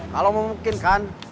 kalau mungkin kan